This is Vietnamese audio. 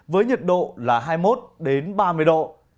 với nhiệt độ là hai mươi một ba mươi độ